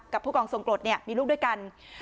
ผู้กองทรงกรดเนี่ยมีลูกด้วยกัน